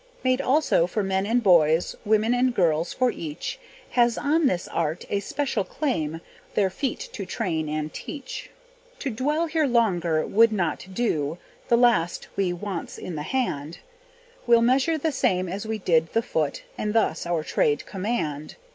Made, also, for men and boys, Women and girls, for each Has on this art a special claim, Their feet to train and teach. To dwell here longer would not do, The last we want's in the hand; We'll measure the same as we did the foot, And thus our trade command.